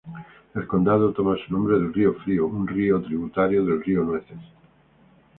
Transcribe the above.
El condado toma su nombre del río Frío, un río tributario del río Nueces.